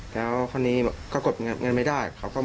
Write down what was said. แล้วคนนี้ก็กดเงินแม่นไม่ได้เขาก็โมโห